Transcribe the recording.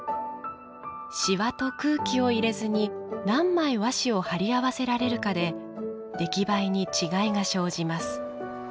しわと空気を入れずに何枚和紙を張り合わせられるかで出来栄えに違いが生じます。